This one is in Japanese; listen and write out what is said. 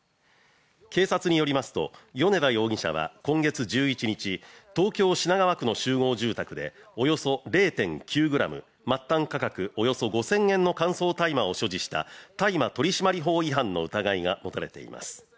警察によりますと米田容疑者は今月１１日東京・品川区の集合住宅でおよそ０．９ｇ末端価格およそ５０００円の乾燥大麻を所持した大麻取締法違反の疑いが持たれています